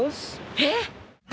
えっ！？